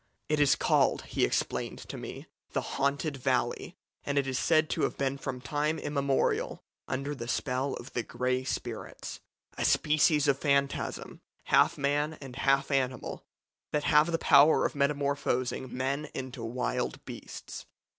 "'It is called,' he explained to me, 'the haunted valley, and it is said to have been from time immemorial under the spell of the grey spirits a species of phantasm, half man and half animal, that have the power of metamorphosing men into wild beasts.'